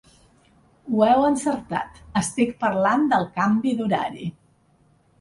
Ho heu encertat estic parlant del canvi d’horari.